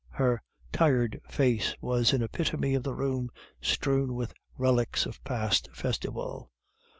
Her tired face was an epitome of the room strewn with relics of past festival.